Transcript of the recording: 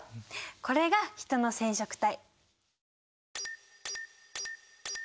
これがヒトの染色体。